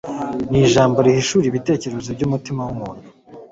n'ijambo rihishura ibitekerezo by'umutima w'umuntu